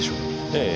ええ。